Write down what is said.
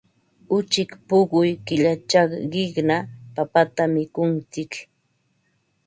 Uchik puquy killachaq qiqna papatam mikuntsik.